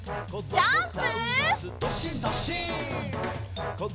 ジャンプ！